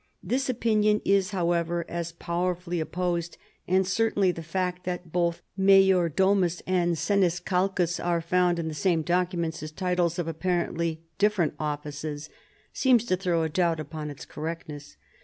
This opinion is, however, as powerfully opposed, EARLY MAYORS OF THE PALACE. 01 and certainly the fact tbat both major doiniis and seniscalcus are found in the same documents as titles of apparently different offices seems to throw a doubt upon its correctness.